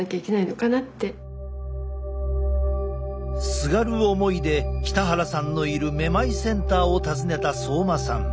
すがる思いで北原さんのいるめまいセンターを訪ねた相馬さん。